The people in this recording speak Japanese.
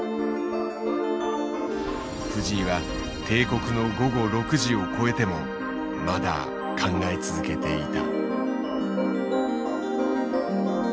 藤井は定刻の午後６時を越えてもまだ考え続けていた。